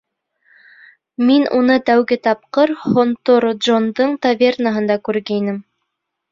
Мин уны тәүге тапҡыр Һонтор Джондың тавернаһында күргәйнем.